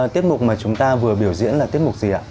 tiết mục mà chúng ta vừa biểu diễn là tiết mục gì ạ